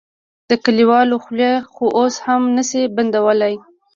د کليوالو خولې خو اوس هم نه شې بندولی.